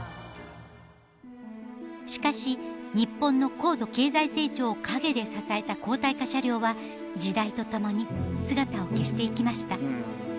しかし日本の高度経済成長を陰で支えた鋼体化車両は時代とともに姿を消していきました。